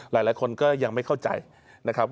หลายคนก็ยังไม่เข้าใจนะครับ